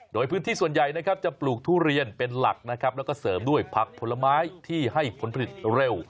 โดยพื้นที่ส่วนใหญ่นะครับจะปลูกทุเรียนเป็นหลักนะครับแล้วก็เสริมด้วยผักผลไม้ที่ให้ผลผลิตเร็ว